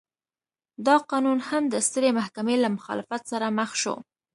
دا قانون هم د سترې محکمې له مخالفت سره مخ شو.